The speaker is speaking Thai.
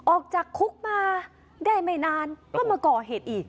ออกจากคุกมาได้ไม่นานก็มาก่อเหตุอีก